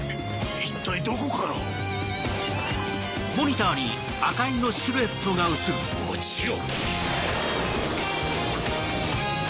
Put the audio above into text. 一体どこから⁉落ちろ。